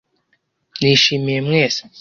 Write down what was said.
Nishimiye mwese